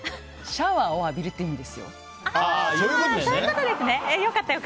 シャワーを浴びるっていう意味ですよ。